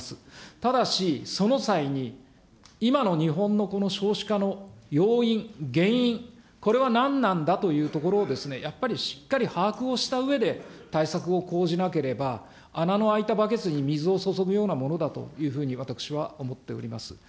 ただし、その際に、今の日本のこの少子化の要因、原因、これは何なんだというところを、やっぱりしっかり把握をしたうえで、対策を講じなければ、穴の開いたバケツに水を注ぐようなものだというふうに、私は思っております。